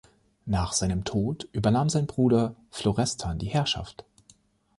Nach seinem Tod übernahm sein Bruder Florestan die Herrschaft.